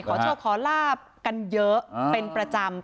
โชคขอลาบกันเยอะเป็นประจำ